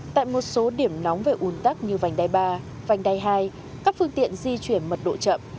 tại một số điểm nóng về un tắc như vành đai ba vành đai hai các phương tiện di chuyển mật độ chậm